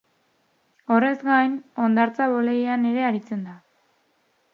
Horrez gain, hondartza-boleian ere aritzen da.